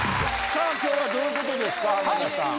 さあ今日はどういうことですか浜田さん。